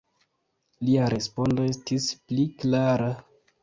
Lia respondo estis pli klara.